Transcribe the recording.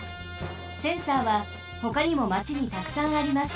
センサーはほかにもマチにたくさんあります。